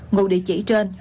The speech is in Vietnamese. ngụ địa chỉ trên